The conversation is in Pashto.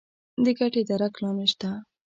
د ګټې درک لا نه شته.